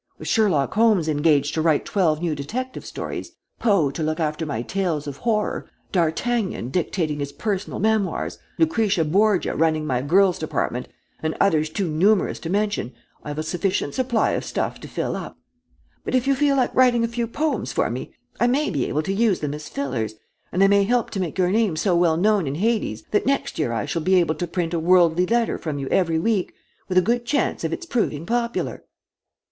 With Sherlock Holmes engaged to write twelve new detective stories; Poe to look after my tales of horror; D'Artagnan dictating his personal memoirs; Lucretia Borgia running my Girls' Department; and others too numerous to mention, I have a sufficient supply of stuff to fill up; but if you feel like writing a few poems for me I may be able to use them as fillers, and they may help to make your name so well known in Hades that next year I shall be able to print a Worldly Letter from you every week with a good chance of its proving popular."